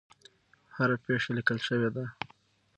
هره پېښه لیکل شوې ده.